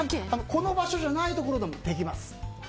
この場所じゃないところでもできます。